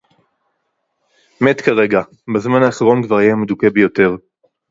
מת כרגע. בזמן האחרון כבר היה מדוכא ביותר.